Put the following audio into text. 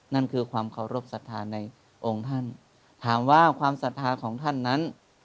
นั่นคือความเคารพสัทธาในองค์ท่านถามว่าความศรัทธาของท่านนั้น